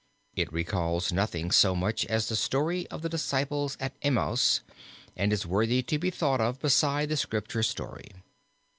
It recalls nothing so much as the story of the disciples at Emaus and is worthy to be thought of beside the Scripture story.